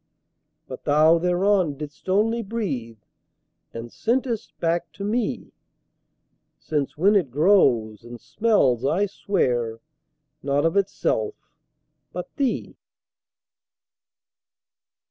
But thou thereon didst only breathe, And sent'st back to me: Since when it grows, and smells, I swear, Not of itself, but thee.